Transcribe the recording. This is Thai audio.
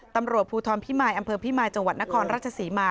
ตำรวจภูทรพิมายอำเภอพิมายจังหวัดนครราชศรีมา